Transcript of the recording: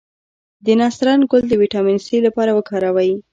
د نسترن ګل د ویټامین سي لپاره وکاروئ